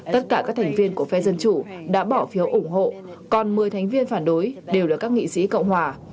tất cả các thành viên của phe dân chủ đã bỏ phiếu ủng hộ còn một mươi thành viên phản đối đều là các nghị sĩ cộng hòa